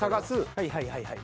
はいはいはいはい。